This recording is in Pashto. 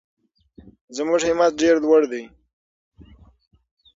زموږ همت ډېر لوړ دی.